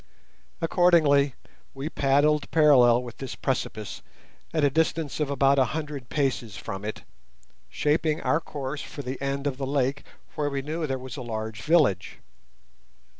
Accordingly we paddled parallel with this precipice, at a distance of about a hundred paces from it, shaping our course for the end of the lake, where we knew that there was a large village.